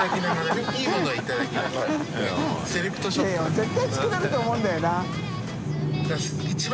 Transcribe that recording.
もう絶対作れると思うんだよな。